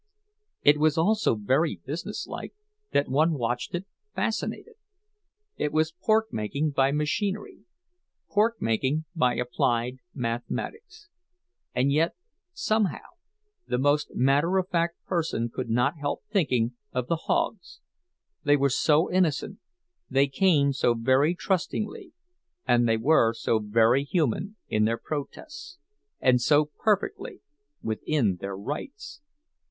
It was all so very businesslike that one watched it fascinated. It was porkmaking by machinery, porkmaking by applied mathematics. And yet somehow the most matter of fact person could not help thinking of the hogs; they were so innocent, they came so very trustingly; and they were so very human in their protests—and so perfectly within their rights!